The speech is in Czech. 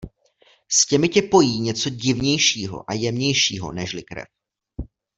S těmi tě pojí něco divnějšího a jemnějšího nežli krev.